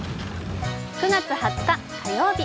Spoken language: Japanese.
９月２０日、火曜日。